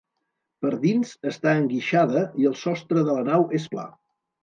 Per dins està enguixada i el sostre de la nau és pla.